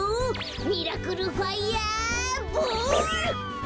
ミラクルファイヤーボール！